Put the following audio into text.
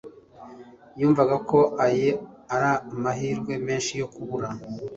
Yumvaga ko aya ari amahirwe menshi yo kubura.